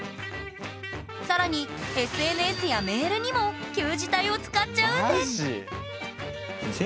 更にＳＮＳやメールにも旧字体を使っちゃうんですまじ？